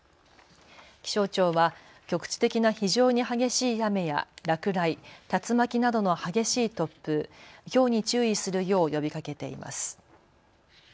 気象庁は局地的な非常に激しい雨や落雷、竜巻などの激しい突風、ひょうに注意するよう呼びかけています。